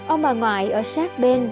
ông bà ngoại ở sát bên